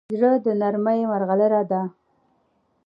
زړه د نرمۍ مرغلره ده.